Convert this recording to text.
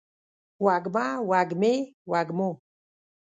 وږمه، وږمې ، وږمو